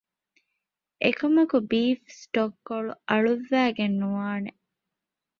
އެކަމަކު ބީފް ސްޓޮކް ކޮޅު އަޅުއްވައިގެން ނުވާނެ